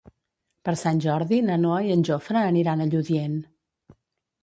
Per Sant Jordi na Noa i en Jofre aniran a Lludient.